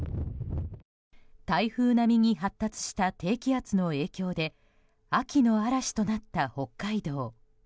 台風並みに発達した低気圧の影響で秋の嵐となった北海道。